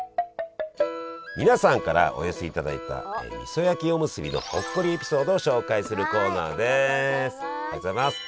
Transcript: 皆さんからお寄せいただいたみそ焼きおむすびのほっこりエピソードを紹介するコーナーです。